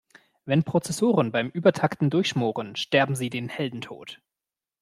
Wenn Prozessoren beim Übertakten durchschmoren, sterben sie den Heldentod.